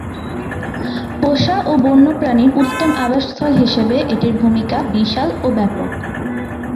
পোষা ও বন্য প্রাণীর উত্তম আবাসস্থল হিসেবে এটির ভূমিকা বিশাল ও ব্যাপক।